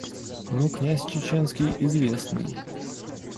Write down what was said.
Ну, князь Чеченский, известный.